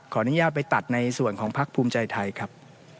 ขออนุญาตไปตัดในส่วนของพักภูมิใจไทยครับ